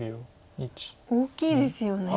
大きいですよね。